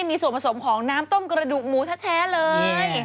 มีส่วนผสมของน้ำต้มกระดูกหมูแท้เลย